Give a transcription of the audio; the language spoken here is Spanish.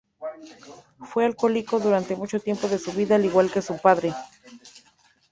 Fue alcohólico durante mucho tiempo de su vida, al igual que su padre.